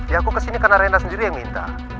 ya aku kesini karena rena sendiri yang minta